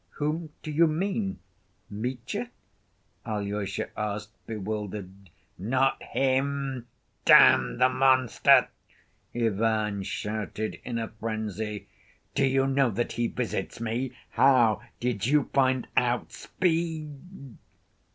"Whom do you mean—Mitya?" Alyosha asked, bewildered. "Not him, damn the monster!" Ivan shouted, in a frenzy. "Do you know that he visits me? How did you find out? Speak!"